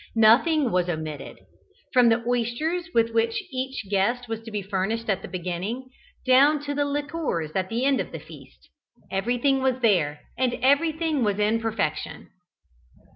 Nothing was omitted. From the oysters with which each guest was to be furnished at the beginning, down to the liqueurs at the end of the feast, everything was there, and everything was in perfection.